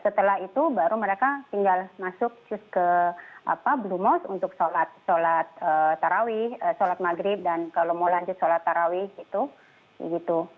setelah itu baru mereka tinggal masuk ke blumos untuk sholat tarawih sholat maghrib dan kalau mau lanjut sholat tarawih gitu